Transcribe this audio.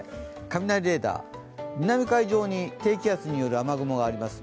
雷レーダー、南海上に低気圧による雨雲があります。